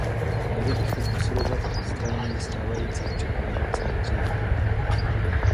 Měli bychom usilovat o odstranění stávajících překážek co nejdříve.